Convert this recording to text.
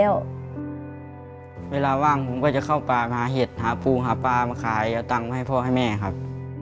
เวลาว่างผมก็จะเข้าป่าหาเห็ดหาปูหาปลามาขายเอาตังค์ให้พ่อให้แม่ครับ